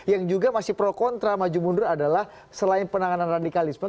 yang juga masih pro kontra maju mundur adalah selain penanganan radikalisme